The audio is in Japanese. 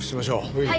はい。